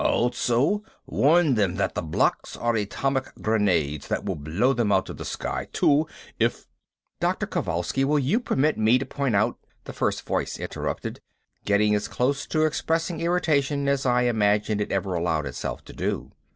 Also warn them that the blocks are atomic grenades that will blow them out of the sky too if " "Dr. Kovalsky, will you permit me to point out " the first voice interrupted, getting as close to expressing irritation as I imagine it ever allowed itself to do.